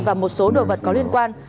và một số đồ vật có liên quan